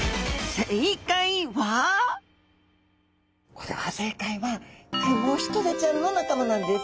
これは正解はクモヒトデちゃんの仲間なんです。